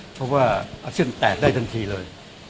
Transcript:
เพราะว่าอาเซียนแตกได้ทันทีเลย